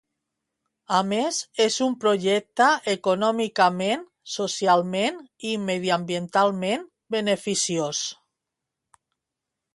A més, és un projecte econòmicament, socialment i mediambientalment beneficiós.